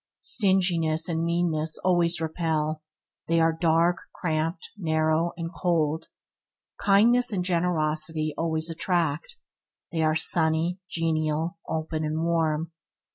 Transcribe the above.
Stringiness and meanness always repel; they are dark, cramped, narrow, and cold. Kindness and generosity always attack; they are sunny, genial, open, and warm.